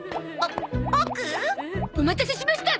ボボク？お待たせしました。